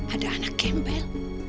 ada anak gembel